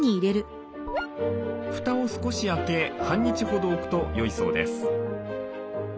ふたを少し開け半日ほど置くとよいそうです。